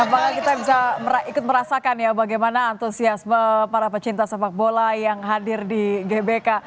apakah kita bisa ikut merasakan ya bagaimana antusiasme para pecinta sepak bola yang hadir di gbk